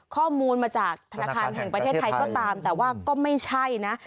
ข้อมูลมาจากธนาคารแห่งประเทศไทยก็ตามแต่ว่าก็ไม่ใช่นะ